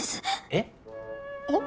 えっ？えっ？